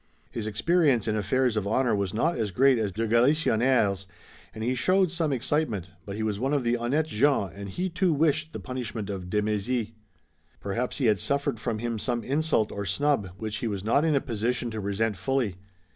His experience in affairs of honor was not as great as de Galisonnière's, and he showed some excitement, but he was one of the honnêtes gens and he too wished, the punishment of de Mézy. Perhaps he had suffered from him some insult or snub which he was not in a position to resent fully.